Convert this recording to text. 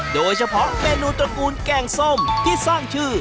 โดยเฉพาะเมนูตระกูลแกงส้มที่สร้างชื่อ